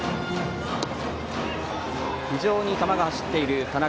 非常に球が走っている田中。